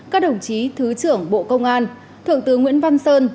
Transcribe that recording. các đồng chí thứ trưởng bộ công an thượng tướng nguyễn văn sơn